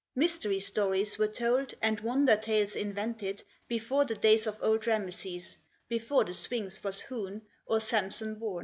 Mys tery stories were told and wonder tales invented before the days of old Rameses, before the Sphinx was hewn or Sam son bom.